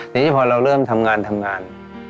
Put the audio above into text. ทีนี้พอเราเริ่มทำงานทำงาน